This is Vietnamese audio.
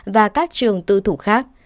và các trường tư thủ khác